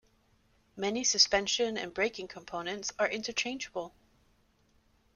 Many suspension and braking components are interchangeable.